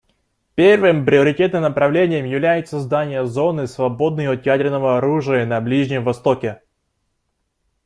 Первым приоритетным направлением является создание зоны, свободной от ядерного оружия, на Ближнем Востоке.